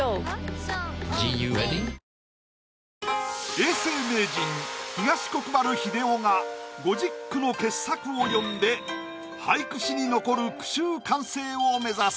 永世名人東国原英夫が５０句の傑作を詠んで俳句史に残る句集完成を目指す。